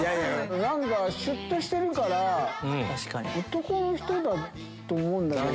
何かシュっとしてるから男の人だと思うんだけど。